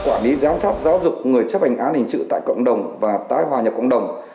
quản lý giám sát giáo dục người chấp hành án hình sự tại cộng đồng và tái hòa nhập cộng đồng